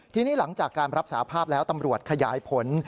ทีนี้หลังจากการรับสาภาพแล้วตำรวจขยายผล